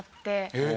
えっ！